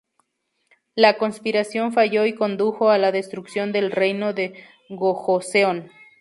La conspiración falló y condujo a la destrucción del reino de Gojoseon.